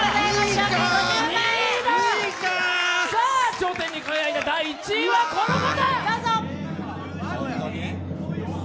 頂点に輝いたのはこの方！